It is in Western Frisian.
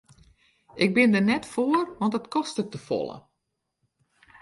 Ik bin der net foar want it kostet te folle.